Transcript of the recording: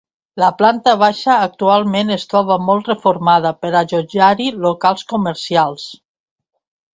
La planta baixa actualment es troba molt reformada per allotjar-hi locals comercials.